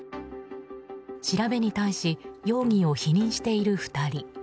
調べに対し容疑を否認している２人。